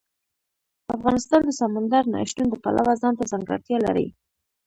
افغانستان د سمندر نه شتون د پلوه ځانته ځانګړتیا لري.